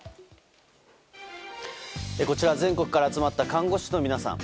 こちら、全国から集まった看護師の皆さん。